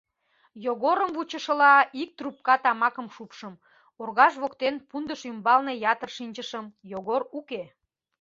Йогорым вучышыла, ик трубка тамакым шупшым, оргаж воктен пундыш ӱмбалне ятыр шинчышым, Йогор уке...